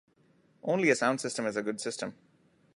Only a sound system is a good system.